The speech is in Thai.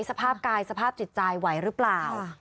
สภาพกายสภาพจิตใจไหวหรือเปล่า